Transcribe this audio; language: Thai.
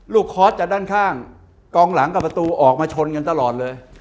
ลูกแทนสคมกร้องหลังกับประตูออกมาชนกันตลอด